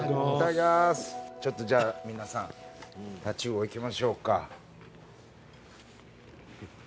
ちょっとじゃあ皆さんタチウオいきましょうか。